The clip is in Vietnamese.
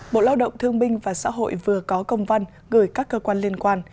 bộ lao động thương minh và xã hội vừa có công văn gửi các cơ quan liên quan